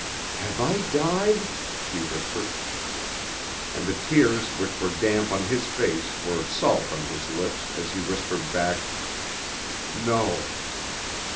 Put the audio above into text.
"Have I died?" she whispered. And the tears which were damp on his face were salt on his lips as he whispered back, "No."